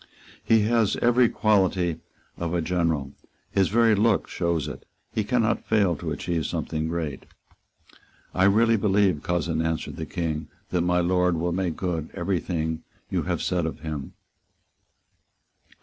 "He has every quality of a general. His very look shows it. He cannot fail to achieve something great." "I really believe, cousin," answered the King, "that my Lord will make good every thing that you have said of him."